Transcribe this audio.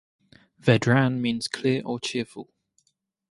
Vedran means clear or cheerful.